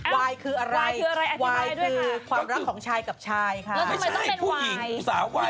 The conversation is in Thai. วายคืออะไรวายคือความรักของชายกับชายค่ะไม่ใช่ผู้หญิงสาววาย